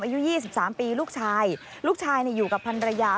อายุ๒๓ปีลูกชายลูกชายอยู่กับพันรยา